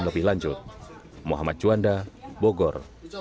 lebih lanjut muhammad juanda bogor